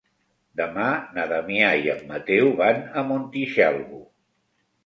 Demà na Damià i en Mateu van a Montitxelvo.